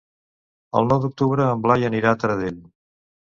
El nou d'octubre en Blai anirà a Taradell.